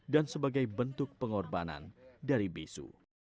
dan sebagai bentuk pengorbanan dari bisu